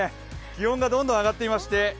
気温がどんどん上がっていまして